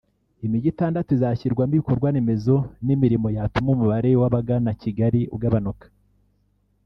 Imijyi itandatu izashyirwamo ibikorwaremezo n’imirimo yatuma umubare w’abagana Kigali ugabanuka